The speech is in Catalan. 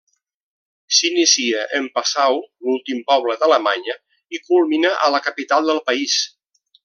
S'inicia en Passau, l'últim poble d'Alemanya, i culmina a la capital del país: